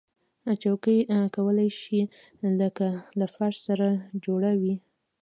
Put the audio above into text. چوکۍ کولی شي له فرش سره جوړه وي.